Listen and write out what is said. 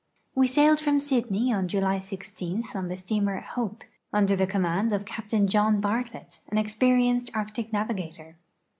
We sailed from Sydney on July IG on the steamer Hope, under the command ()fl'a|)tain John Bartlett, an experienced Arctic navigator.